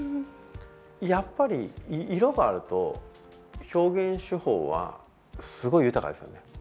やっぱり、色があると表現手法はすごい豊かですよね。